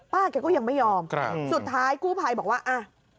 ป้าแกก็ยังไม่ยอมสุดท้ายกู้ภัยบอกว่า